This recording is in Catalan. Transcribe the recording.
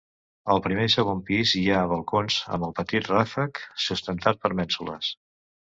Al primer i segon pis hi ha balcons amb el petit ràfec sustentat per mènsules.